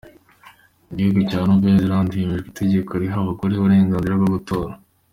Mu gihugu cya Nouvelle Zeland hemejwe itegeko riha abagore uburenganzira bwo gutora.